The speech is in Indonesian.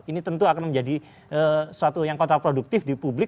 ini tentu akan menjadi suatu yang kontraproduktif di publik